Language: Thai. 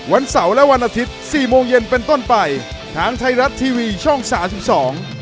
วันเสาร์และวันอาทิตย์สี่โมงเย็นเป็นต้นไปทางไทยรัฐทีวีช่องสามสิบสอง